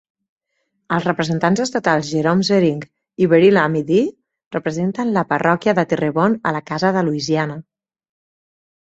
Els representants estatals Jerome Zeringue i Beryl Amedee representen la Parròquia de Terrebonne a la Casa de Louisiana.